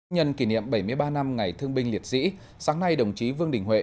nhân kỷ niệm bảy mươi ba năm ngày thương binh liệt sĩ sáng nay đồng chí vương đình huệ